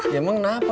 ya emang kenapa